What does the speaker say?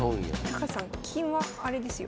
高橋さん金はあれですよ